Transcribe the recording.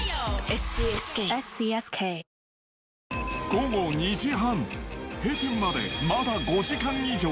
午後２時半、閉店までまだ５時間以上。